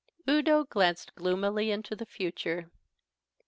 Udo glanced gloomily into the future.